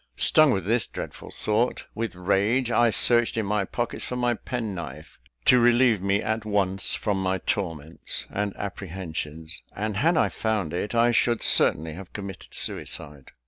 Stung with this dreadful thought, with rage I searched in my pockets for my penknife, to relieve me at one from my torments and apprehensions; and had I found it, I should certainly have committed suicide.